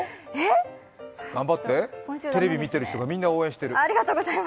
頑張って、テレビ見てる人みんな応援してる。